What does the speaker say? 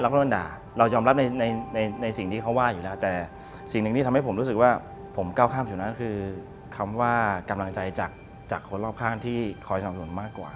คอยสนามสนมันมากกว่า